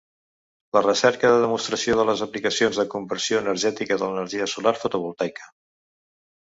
La recerca de demostració de les aplicacions de conversió energètica de l'energia solar fotovoltaica.